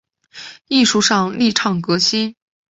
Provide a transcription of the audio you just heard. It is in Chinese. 艺术上力倡革新